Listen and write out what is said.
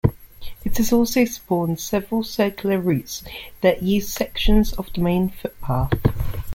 It has also spawned several circular routes that use sections of the main footpath.